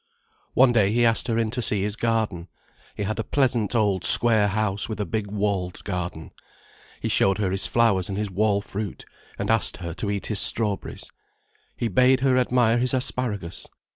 One day he asked her in to see his garden. He had a pleasant old square house with a big walled garden. He showed her his flowers and his wall fruit, and asked her to eat his strawberries. He bade her admire his asparagus.